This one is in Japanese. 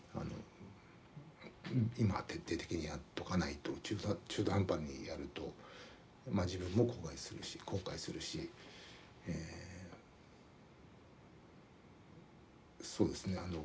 今徹底的にやっとかないと中途半端にやると自分も後悔するしえそうですね